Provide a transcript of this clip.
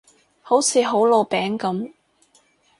好似好老餅噉